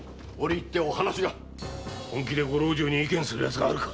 本気でご老中に意見する奴があるか！